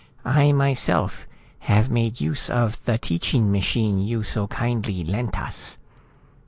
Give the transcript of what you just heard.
"I myself have made use of the teaching machine you so kindly lent us."